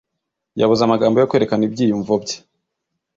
Yabuze amagambo yo kwerekana ibyiyumvo bye.